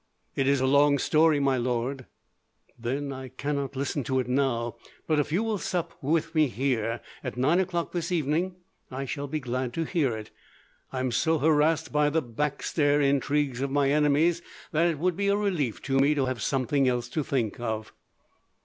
"It is a long story, my lord." "Then I cannot listen to it now; but if you will sup with me here, at nine o'clock this evening, I shall be glad to hear it. I am so harassed by the backstair intrigues of my enemies, that it would be a relief to me to have something else to think of."